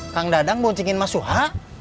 kang dadang mau singin mas suha